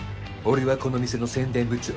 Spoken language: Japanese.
俺はこの店の宣伝部長。